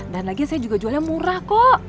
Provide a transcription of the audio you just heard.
dan lagi saya juga jualnya murah kok